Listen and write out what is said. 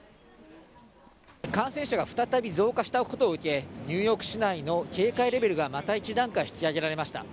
感染者が再び増加したことを受け、ニューヨーク市内の警戒レベルが、また１段階引き上げられました。